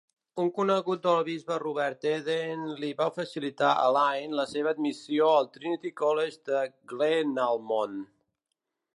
Un conegut del bisbe Robert Eden li va facilitar a Lyne la seva admissió al Trinity College de Glenalmond.